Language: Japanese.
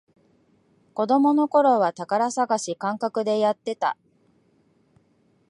子供のころは宝探し感覚でやってた